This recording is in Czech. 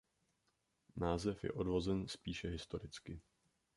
Název je odvozen spíše historicky.